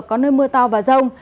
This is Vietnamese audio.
có nơi mưa to và rông